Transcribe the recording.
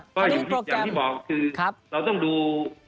ก็อย่างที่บอกคือเราต้องดู